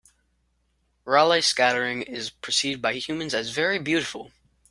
Raleigh scattering is percieved by humans as very beautiful.